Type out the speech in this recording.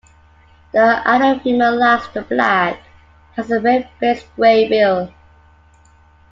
The adult female lacks the black and has a red-based grey bill.